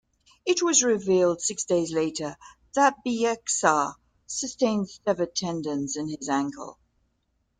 It was revealed six days later that Bieksa sustained severed tendons in his ankle.